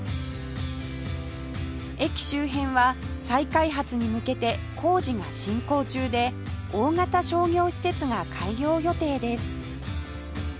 駅周辺は再開発に向けて工事が進行中で大型商業施設が開業予定です